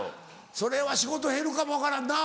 それは仕事減るかも分からんな。